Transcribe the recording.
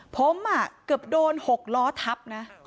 ผมกะบโดนหกล้อทับ